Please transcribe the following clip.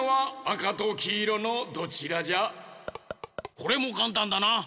これもかんたんだな！